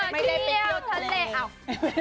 ไม่ได้ไปเกี่ยวเท่าไหร่